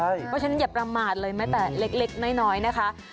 เพราะฉะนั้นอย่าประมาทเลยแม้แต่เล็กน้อยนะคะ